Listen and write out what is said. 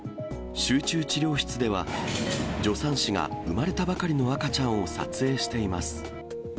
集中治療室では、助産師が産まれたばかりの赤ちゃんを撮影しています。